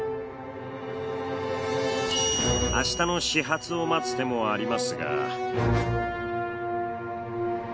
明日の始発を待つ手もありますが。